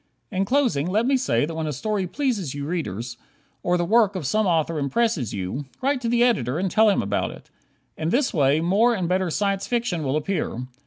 In closing, let me say that when a story pleases you readers, or the work of some author impresses you, write to the editor and tell him about it. In this way more and better Science Fiction will appear.